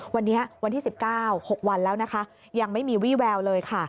วันนี้วันที่๑๙๖วันแล้วนะคะยังไม่มีวี่แววเลยค่ะ